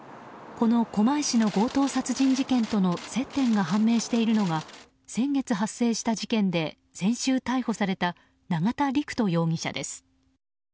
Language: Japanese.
この狛江市の強盗殺人事件との接点が判明しているのが先月発生した事件で先週逮捕された永田陸人容疑者です。